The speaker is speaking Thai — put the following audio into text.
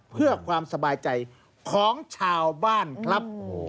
เพื่อความสบายใจของชาวบ้านครับ